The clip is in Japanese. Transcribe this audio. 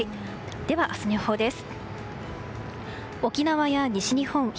では明日の予報です。